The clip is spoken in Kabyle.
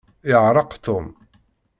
Yeɛṛeq Tom.